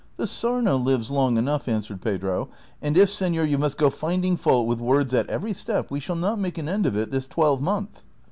" The sarna lives long enough," answered Pedro ;" and if, senor, you must go finding fault with words at every step, we shall not make an end of it this twelvemonth."